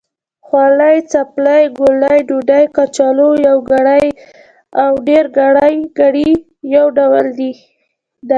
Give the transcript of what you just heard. خولۍ، څپلۍ، ګولۍ، ډوډۍ، کچالو... يوګړی او ډېرګړي يو ډول دی.